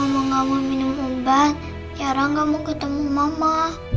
kalau mama gak mau minum obat tiara gak mau ketemu mama